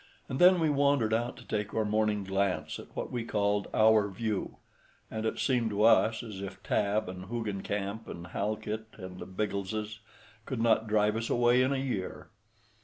And then we wandered out to take our morning glance at what we called "our view"; and it seemed to us as if Tabb and Hoogencamp and Halkit and the Biggleses could not drive us away in a year.